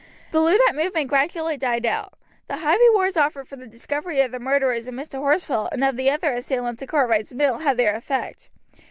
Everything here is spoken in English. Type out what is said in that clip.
The Luddite movement gradually died out. The high rewards offered for the discovery of the murderers of Mr. Horsfall and of the assailants of Cartwright's mill had their effect.